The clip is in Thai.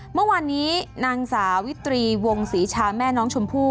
เมื่อวานนี้นางสาวิตรีวงศรีชาแม่น้องชมพู่